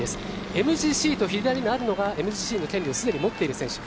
ＭＧＣと左にあるのがＭＧＣの権利がすでにある選手。